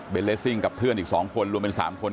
เป็นเลสซิ่งกับเพื่อนอีก๒คนรวมเป็น๓คน